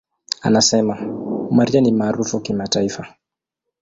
Anasema, "Mariah ni maarufu kimataifa.